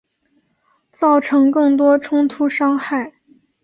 造成更多冲突伤害